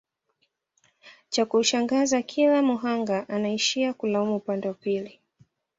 chakushangaza kila muhanga anaishia kulaumu upande wa pili